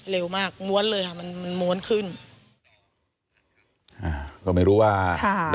เร็วมากม้วนเลยค่ะมันมันม้วนขึ้นอ่าก็ไม่รู้ว่าค่ะ